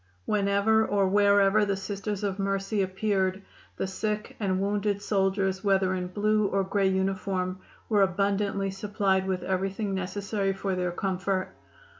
Whenever or wherever the Sisters of Mercy appeared the sick and wounded soldiers, whether in blue or gray uniform, were abundantly supplied with everything necessary for their comfort.